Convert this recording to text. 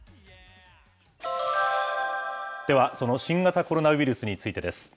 では、その新型コロナウイルスについてです。